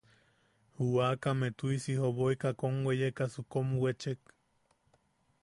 Ju aakame tuʼisi joboika kom weyekasu kom wechek.